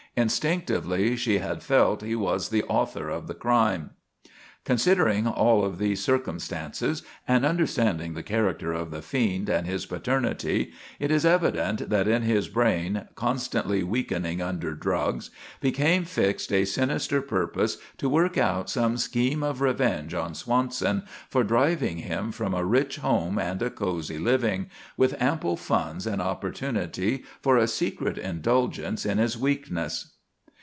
Instinctively she had felt he was the author of the crime. Considering all of these circumstances, and understanding the character of the fiend and his paternity, it is evident that in his brain, constantly weakening under drugs, became fixed a sinister purpose to work out some scheme of revenge on Swanson for driving him from a rich home and a cozy living, with ample funds and opportunity for a secret indulgence in his weakness.